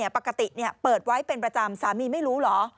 ปกติเปิดไว้เป็นประจำสามีไม่รู้เหรอ